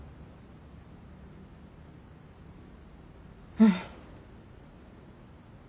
うん。